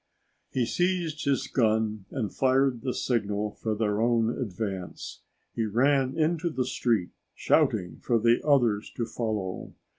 He seized his gun and fired the signal for their own advance. He ran into the street shouting for the others to follow.